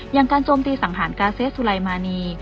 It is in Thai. อย่างการโจมตีสังหารกาเซสุไลมานี